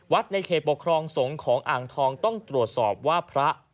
ในเขตปกครองสงฆ์ของอ่างทองต้องตรวจสอบว่าพระ